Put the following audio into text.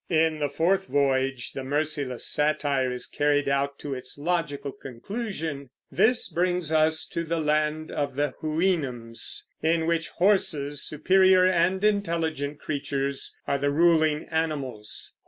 In the fourth voyage the merciless satire is carried out to its logical conclusion. This brings us to the land of the Houyhnhnms, in which horses, superior and intelligent creatures, are the ruling animals.